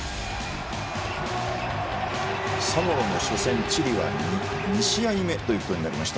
サモアの初戦チリは２試合目ということになりました。